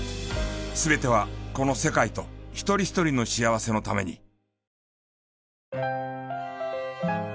全てはこの世界と一人一人の幸せのために。